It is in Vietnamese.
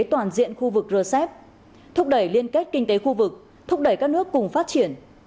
toàn diện khu vực rcep thúc đẩy liên kết kinh tế khu vực thúc đẩy các nước cùng phát triển